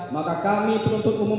maka kami penutup umum